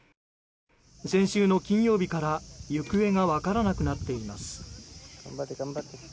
先週の金曜日から行方が分からなくなっています。